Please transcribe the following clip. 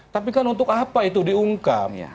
tapi kan untuk apa itu diungkap